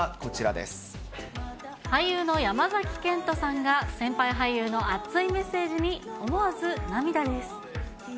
俳優の山崎賢人さんが、先輩俳優の熱いメッセージに思わず涙です。